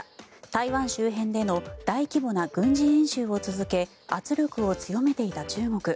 台湾周辺での大規模な軍事演習を続け圧力を強めていた中国。